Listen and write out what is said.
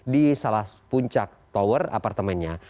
di salah puncak tower apartemennya